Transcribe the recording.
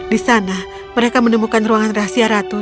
di sana mereka menemukan ruangan rahasia ratu